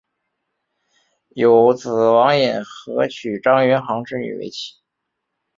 有子王尹和娶张云航之女为妻。